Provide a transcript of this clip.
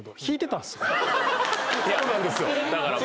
そうなんですよ。